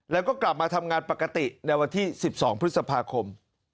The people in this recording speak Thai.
แล้วก็กลับมาทำงานปกติในวันที่๑๒พฤษภาคม